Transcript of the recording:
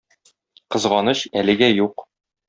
Кызганыч, әлегә юк.